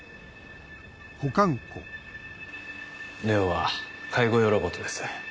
ＬＥＯは介護用ロボットです。